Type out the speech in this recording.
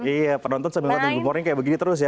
iya penonton sambil ngeliatin buburnya kayak begini terus ya